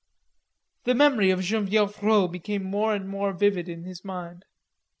The memory of Genevieve Rod became more and more vivid in his mind.